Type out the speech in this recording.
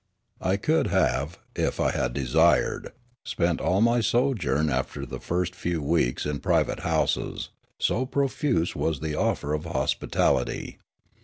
Aleofanian Devotion to Truth 41 I could have, if I had desired, spent all my sojourn after the first few weeks in private houses, so profuse was the offer of hospitality.